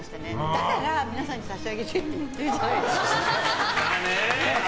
だから皆さんに差し上げようって言ってるじゃない！